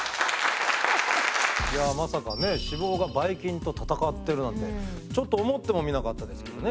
いや、まさかね脂肪がバイ菌と戦ってるなんてちょっと思ってもみなかったですけどね